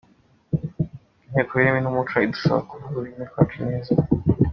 Inteko y'ururimi n'umuco idusaba kuvuga ururimi rwacu neza.